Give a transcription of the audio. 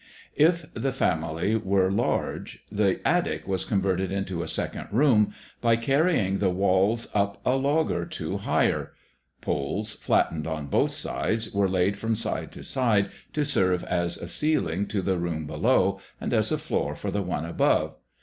If the family were large the attic was converted into a second room by carrying the walls up a log or two higher. Poles, flattened on both sides, were laid from side to side to serve as a ceiling to the room below and as a floor for the one above.